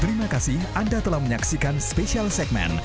terima kasih anda telah menyaksikan special segmen